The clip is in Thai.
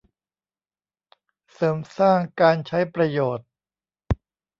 เสริมสร้างการใช้ประโยชน์